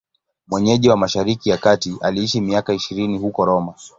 Mwenyeji wa Mashariki ya Kati, aliishi miaka ishirini huko Roma.